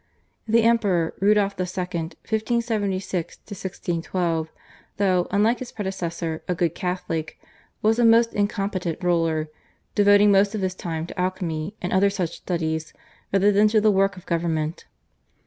The Emperor, Rudolph II. (1576 1612), though, unlike his predecessor, a good Catholic, was a most incompetent ruler, devoting most of his time to alchemy and other such studies rather than to the work of government.